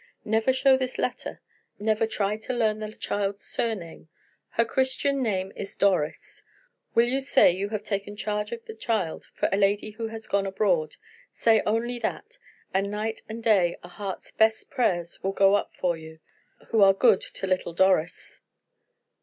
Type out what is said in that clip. Never show this letter, never try to learn the child's surname; her Christian name is DORIS. Will you say you have taken charge of the child for a lady who has gone abroad? Say only that, and night and day a heart's best prayers will go up for you, who are good to little Doris."